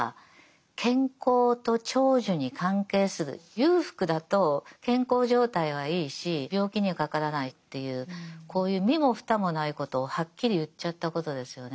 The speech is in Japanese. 裕福だと健康状態はいいし病気にはかからないっていうこういう身も蓋もないことをはっきり言っちゃったことですよね。